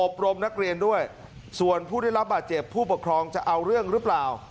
รมนักเรียนด้วยส่วนผู้ได้รับบาดเจ็บผู้ปกครองจะเอาเรื่องหรือเปล่า